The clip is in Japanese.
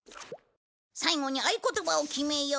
最後に合言葉を決めよう。